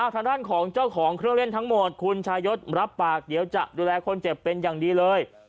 ทางด้านของเจ้าของเครื่องเล่นทั้งหมดคุณชายศรับปากเดี๋ยวจะดูแลคนเจ็บเป็นอย่างดีเลย